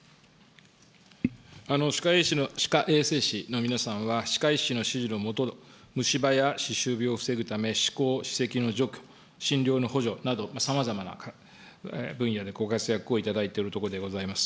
歯科衛生士の皆さまは、歯科医師の下、虫歯や歯周病を防ぐため、歯垢、歯石の除去、診療の補助など、さまざまな分野でご活躍をいただいておるところであります。